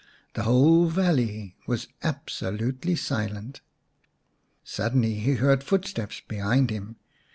The whole valley was absolutely silent. Suddenly he heard footsteps behind him.